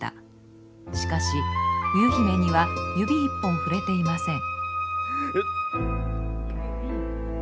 しかし冬姫には指一本触れていません。